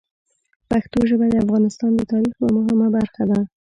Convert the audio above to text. پښتو ژبه د افغانستان د تاریخ یوه مهمه برخه ده.